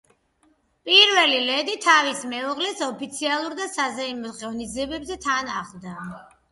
პირველი ლედი თავის მეუღლეს ოფიციალურ და საზეიმო ღონისძიებებზე თან ახლავს.